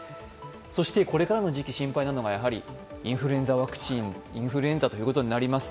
そしてこれからの時期心配なのが、やはりインフルエンザということになります。